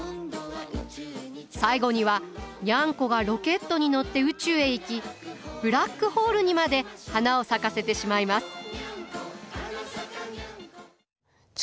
最後にはニャンコがロケットに乗って宇宙へ行きブラックホールにまで花を咲かせてしまいます。